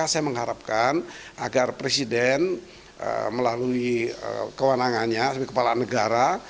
saya mengharapkan agar presiden melalui kewenangannya sebagai kepala negara